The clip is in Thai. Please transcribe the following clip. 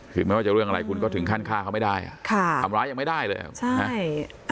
คือไม่ว่าจะเรื่องอะไรคุณก็ถึงขั้นฆ่าเขาไม่ได้อ่ะค่ะทำร้ายยังไม่ได้เลยใช่